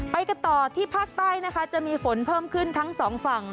ไปกันต่อที่ภาคใต้นะคะจะมีฝนเพิ่มขึ้นทั้งสองฝั่ง